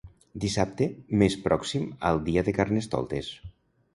Dissabte més pròxim al dia de carnestoltes.